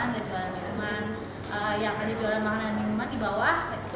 karena dia sendiri merasa banyak orang yang dipecah